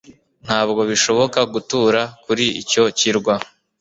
Ntabwo bishoboka gutura kuri icyo kirwa